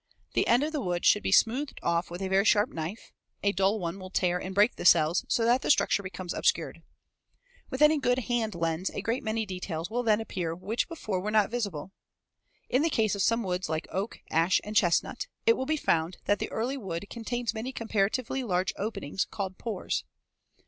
The end of the wood should be smoothed off with a very sharp knife; a dull one will tear and break the cells so that the structure becomes obscured. With any good hand lens a great many details will then appear which before were not visible. In the case of some woods like oak, ash, and chestnut, it will be found that the early wood contains many comparatively large openings, called pores, as shown in Figs.